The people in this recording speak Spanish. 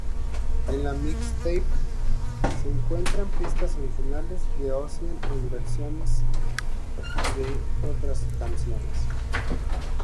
En la mixtape se encuentran pistas originales de Ocean y versiones de otras canciones.